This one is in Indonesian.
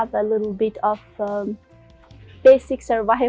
memiliki sedikit pendapatan hidup dasar